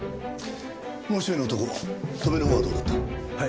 もう１人の男戸辺のほうはどうだった？